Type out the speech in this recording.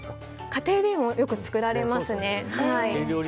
家庭でもよく作られますね。